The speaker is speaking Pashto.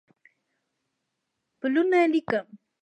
پلونه لیکم